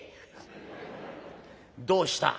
どうした？